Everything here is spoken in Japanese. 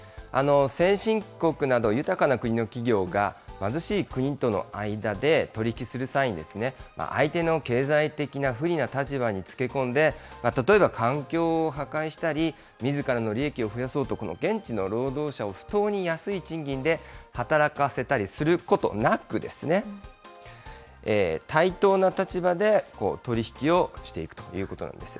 先進国など豊かな国の企業が、貧しい国との間で、取り引きする際に、相手の経済的な不利な立場につけ込んで、例えば環境を破壊したり、みずからの利益を増やそうと、現地の労働者を不当に安い賃金で働かせたりすることなく、対等な立場で、取り引きをしていくということなんです。